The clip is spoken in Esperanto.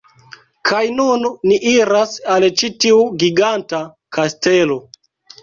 Kaj nun ni iras al ĉi tiu giganta kastelo